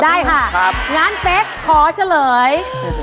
ได้ค่ะงั้นเป๊กขอเฉลย